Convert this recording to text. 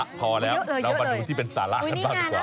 พอแล้วเรามาดูที่เป็นสาระกันบ้างดีกว่า